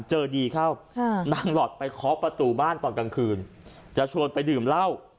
ดีเข้านางหลอดไปเคาะประตูบ้านตอนกลางคืนจะชวนไปดื่มเหล้า